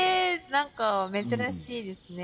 何か珍しいですね。